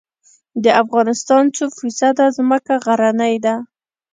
د افغانستان څو فیصده ځمکه غرنۍ ده؟